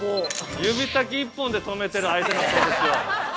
◆指先１本で止めてる相手の拳を。